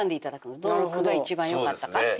どの句が一番良かったかっていうのを。